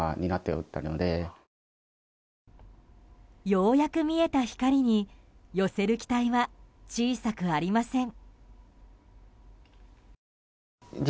ようやく見えた光に寄せる期待は小さくありません。